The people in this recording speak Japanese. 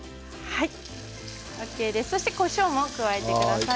こしょうも加えてください。